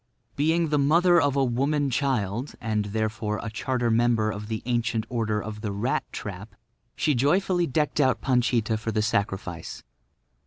Being the mother of a woman child, and therefore a charter member of the Ancient Order of the Rat trap, she joyfully decked out Panchita for the sacrifice.